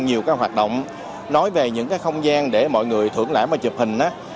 nhiều hoạt động nói về những cái không gian để mọi người thưởng lãm và chụp hình